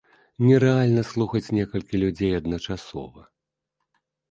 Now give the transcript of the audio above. Нерэальна слухаць некалькі людзей адначасова.